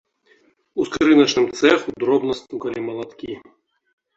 У скрыначным цэху дробна стукалі малаткі.